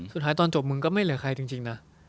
ตอนจบมึงก็ไม่เหลือใครจริงนะ